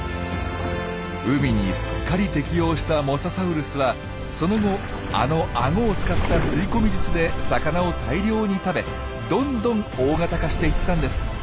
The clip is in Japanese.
海にすっかり適応したモササウルスはその後あのあごを使った吸い込み術で魚を大量に食べどんどん大型化していったんです。